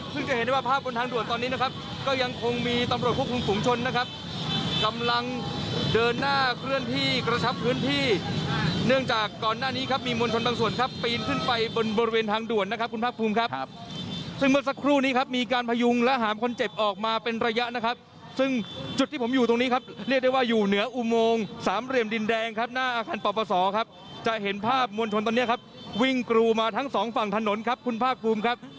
ซึ่งจะเห็นได้ว่าภาพบนทางด่วนตอนนี้นะครับก็ยังคงมีตำรวจคุณภูมิภูมิภูมิภูมิภูมิภูมิภูมิภูมิภูมิภูมิภูมิภูมิภูมิภูมิภูมิภูมิภูมิภูมิภูมิภูมิภูมิภูมิภูมิภูมิภูมิภูมิภูมิภูมิภูมิภูมิภูมิภูมิภูมิภูมิ